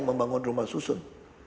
membangun rumah susun